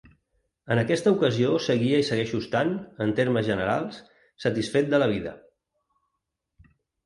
En aquesta ocasió seguia i segueixo estant, en termes generals, satisfet de la vida.